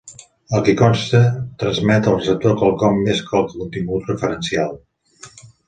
El qui conta transmet al receptor quelcom més que el contingut referencial.